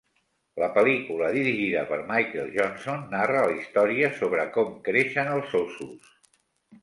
La pel·lícula, dirigida per Michael Johnson, narra la història sobre com creixen els óssos.